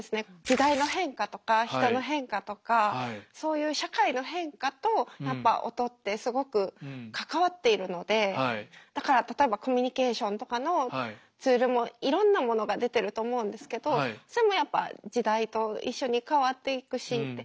時代の変化とか人の変化とかそういう社会の変化とやっぱ音ってすごく関わっているのでだから例えばコミュニケーションとかのツールもいろんなものが出てると思うんですけどそれもやっぱ時代と一緒に変わっていくしって。